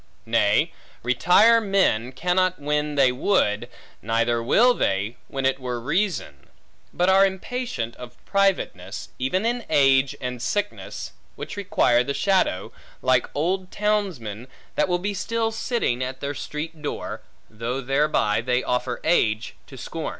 Nay, retire men cannot when they would, neither will they, when it were reason; but are impatient of privateness, even in age and sickness, which require the shadow; like old townsmen, that will be still sitting at their street door, though thereby they offer age to scom.